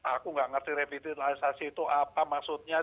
aku nggak ngerti revitalisasi itu apa maksudnya